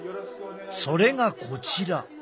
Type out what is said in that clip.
それがこちら。